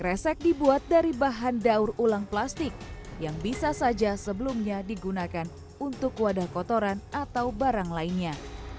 kresek dibuat dari bahan daur ulang plastik yang bisa saja sebelumnya digunakan untuk wadah kotoran atau barang lainnya